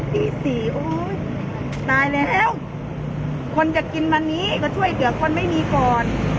ตีสี่โอ้ยตายแล้วคนจะกินวันนี้ก็ช่วยเหลือคนไม่มีก่อน